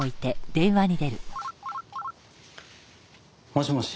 もしもし？